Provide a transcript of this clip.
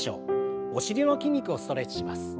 お尻の筋肉をストレッチします。